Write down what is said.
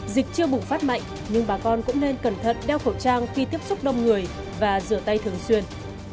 dịch chưa bùng phát mạnh nhưng bà con cũng nên cẩn thận đeo khẩu trang khi tiếp xúc đông người và rửa tay thường xuyên